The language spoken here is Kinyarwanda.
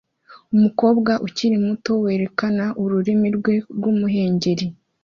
Umukobwa ukiri muto werekana ururimi rwe rw'umuhengeri